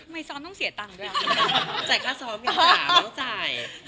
ไม่ซ้อมต้องเสียตังค์ด้วยอ่ะแต่ค่าซ้อมยังต้องจ่าย